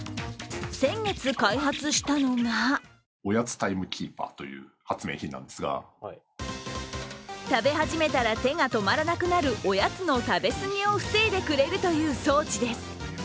先月、開発したのが食べ始めたら手が止まらなくなるおやつの食べ過ぎを防いでくれるという装置です。